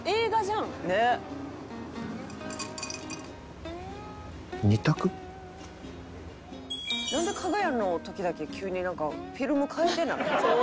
「なんでかが屋の時だけ急にフィルム変えてない？」